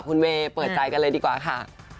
คุณเวย์เปิดใจกันเลยดีกว่าค่ะ